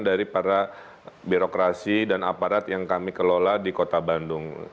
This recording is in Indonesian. dari para birokrasi dan aparat yang kami kelola di kota bandung